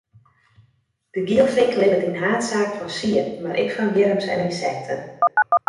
De gielfink libbet yn haadsaak fan sied, mar ek fan wjirms en ynsekten.